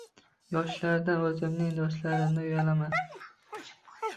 Yoshlardan, o‘zimning do‘stlarimdan uyalaman.